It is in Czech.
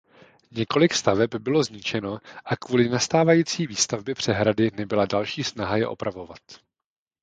Několik staveb bylo zničeno a kvůli nastávající výstavbě přehrady nebyla další snaha je opravovat.